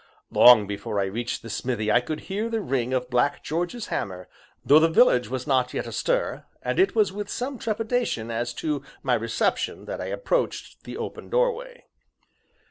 Long before I reached the smithy I could hear the ring of Black George's hammer, though the village was not yet astir, and it was with some trepidation as to my reception that I approached the open doorway.